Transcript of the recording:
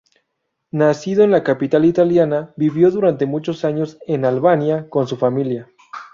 Nacido en la capital italiana, vivió durante muchos años en Albania con su familia.